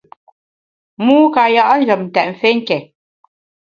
Mû ka ya’ njem tèt mfé nké.